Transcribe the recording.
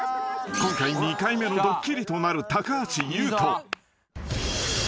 ［今回２回目のドッキリとなる］